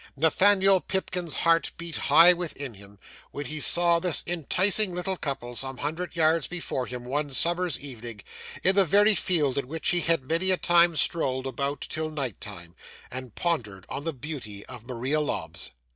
'Nathaniel Pipkin's heart beat high within him, when he saw this enticing little couple some hundred yards before him one summer's evening, in the very field in which he had many a time strolled about till night time, and pondered on the beauty of Maria Lobbs.